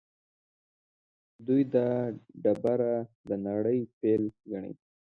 دوی دا ډبره د نړۍ پیل ګڼي.